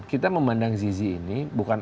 kita memandang zizi ini bukan